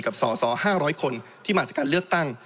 กับสอสอห้าร้อยคนที่มาจากการเลือกตั้ง